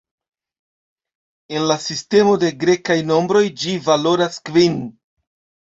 En la sistemo de grekaj nombroj ĝi valoras kvin.